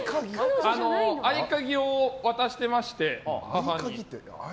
合鍵を渡してまして、母に。